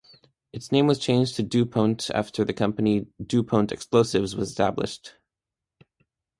Its name was changed to Dupont after the company named Dupont Explosives was established.